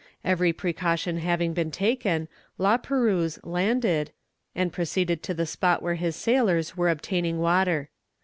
Every precaution having been taken, La Perouse landed, and proceeded to the spot where his sailors were obtaining water.